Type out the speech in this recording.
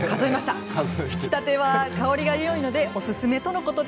ひきたては香りがいいのでおすすめとのこと。